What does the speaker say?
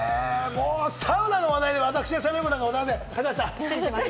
サウナの話題で私がしゃべることなんかございません、高橋さん。